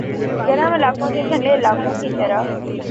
گرم علاقوں سے ٹھنڈے علاقوں کی طرف